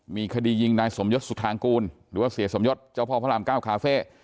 มีคดียิงนายสมยศสุธางกูลหรือว่าเสียสมยศเจ้าพ่อพระรามเก้าคาเฟ่